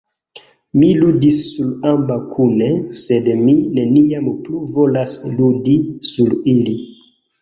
Mi ludis sur ambaŭ kune; sed mi neniam plu volas ludi sur ili.